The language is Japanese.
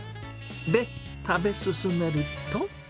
で、食べ進めると。